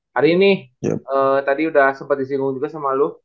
hari ini tadi udah sempet disinggung juga sama lu